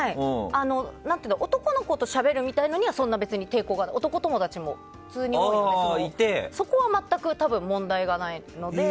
男の子としゃべるのにはそんなに別に抵抗もなく男友達も普通にいてそこは全く多分、問題がないので。